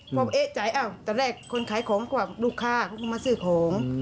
ความเอ๋จิรัยแต่แรกคนขายของผมถูกว่าลูกค้าเขาก็มาซื้อของ